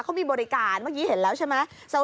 เขามีบริการเมื่อกี้เห็นแล้วใช่ไหม